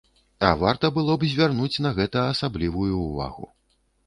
А варта было б звярнуць на гэта асаблівую ўвагу.